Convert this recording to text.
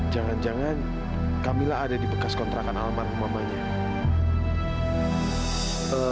jangan jangan kamila ada di bekas kontrakan almarhum mamanya